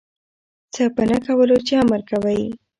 څه په نه کولو چی امر کوی